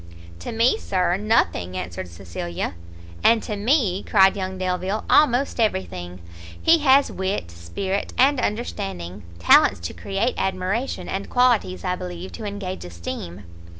"To me, Sir, nothing!" answered Cecilia. "And to me," cried young Delvile, "almost every thing! he has wit, spirit, and understanding, talents to create admiration, and qualities, I believe, to engage esteem!"